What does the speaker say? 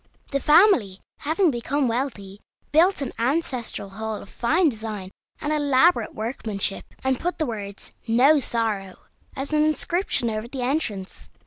The family, having become wealthy, built an ancestral hall of fine design and elaborate workmanship, and put the words "No Sorrow" as an inscription over the entrance.